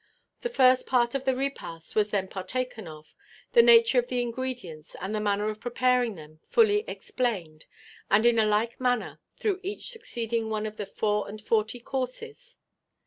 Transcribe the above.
The first part of the repast was then partaken of, the nature of the ingredients and the manner of preparing them being fully explained, and in a like manner through each succeeding one of the four and forty courses.